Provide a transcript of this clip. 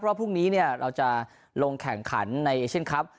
เพราะพรุ่งนี้เนี่ยเราจะลงแข่งขันในเอเชียนครับ